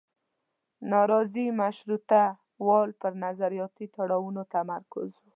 نارضي مشروطیه والو پر نظریاتي تړاوونو تمرکز و.